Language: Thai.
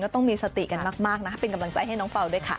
ต้องมีสติกันมากนะเป็นกำลังใจให้น้องเปล่าด้วยค่ะ